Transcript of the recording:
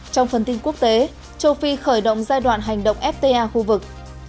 trong phần tin quốc tế châu phi khởi động giai đoạn hành động fta khu vực